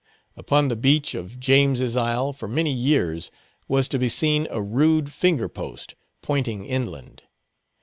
Upon the beach of James's Isle, for many years, was to be seen a rude finger post, pointing inland.